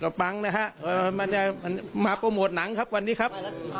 ปังนะฮะมันจะมาโปรโมทหนังครับวันนี้ครับ